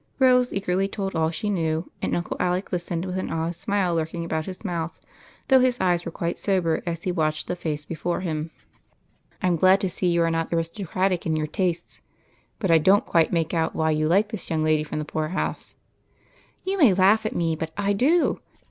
Rose eagerly told all she knew, and Uncle Alec lis tened, with an odd smile lurking about his mouth, though his eyes were quite sober as he watched the face before him. "I'm glad to see that you are not aristocratic in your tastes, but I don't quite make out why you like this young lady from the poor house." " You may laugh at me, but I do.